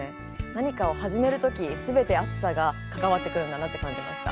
何かを始める時全て熱さが関わってくるんだなって感じました。